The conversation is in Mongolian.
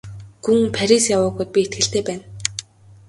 Гүн Парис яваагүйд би итгэлтэй байна.